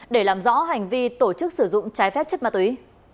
để làm rõ hành vi tổ chức sử dụng trái phép chất ma túy